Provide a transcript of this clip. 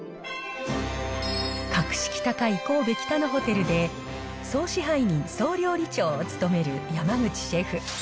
格式高い神戸北野ホテルで、総支配人総料理長を務める山口シェフ。